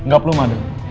gak perlu mada